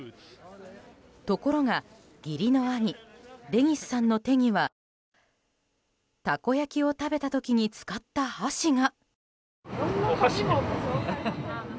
ところが義理の兄デニスさんの手にはたこ焼きを食べた時に使った箸が。